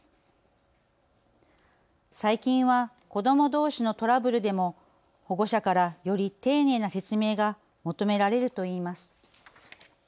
最近は子どもどうしのトラブルでも保護者からより丁寧な説明が求められるといいます。